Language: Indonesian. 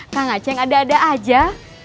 kak ngaceng ada ada aja